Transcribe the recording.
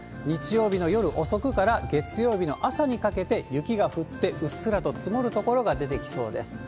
日曜日の夜遅くから月曜日の朝にかけて雪が降って、うっすらと積もる所が出てきそうです。